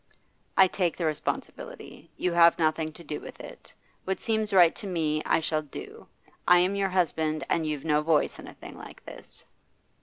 'I take all the responsibility. You have nothing to do with it. What seems right to me, I shall do. I am your husband, and you've no voice in a thing like this.